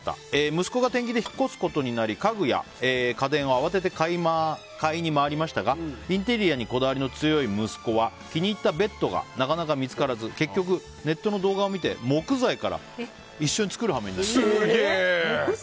息子が転勤で引っ越すことになり家具や家電を慌てて買いに回りましたがインテリアにこだわりの強い息子は気に入ったベッドがなかなか見つからず結局、ネットの動画を見て木材から一緒に作る羽目になりました。